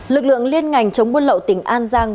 lực lượng liên ngành chống buôn lậu tỉnh an giang